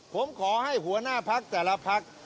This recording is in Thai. ผมขอให้หัวหน้าพักแต่ละพัก